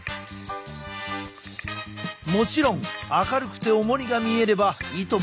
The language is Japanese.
もちろん明るくておもりが見えればいとも